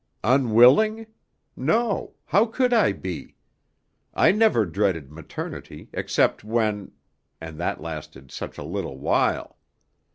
"Unwilling? No; how could I be? I never dreaded maternity except when and that lasted such a little while.